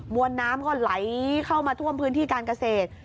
วนน้ำก็ไหลเข้ามาท่วมพื้นที่การเกษตร